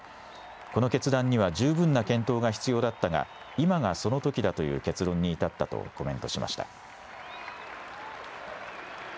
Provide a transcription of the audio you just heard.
この決断には十分な検討が必要だったが、今がそのときだという結論に至ったとコメントしました。